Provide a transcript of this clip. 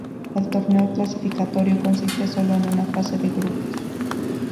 El torneo clasificatorio consiste solo en una fase de grupos.